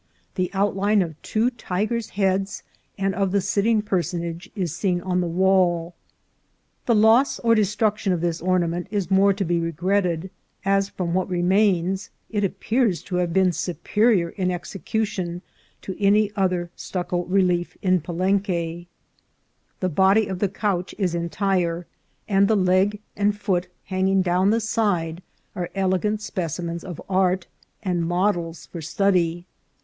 The outline of two tigers' heads and of the sitting per sonage is seen on the wall. The loss or destruction of this ornament is more to be regretted, as from what re mains it appears to have been superior in execution to any other stucco relief in Palenque. The body of the couch is entire, and the leg and foot hanging down the side are elegant specimens of art and models for study.